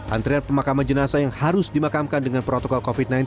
antrian pemakaman jenazah yang harus dimakamkan dengan protokol covid sembilan belas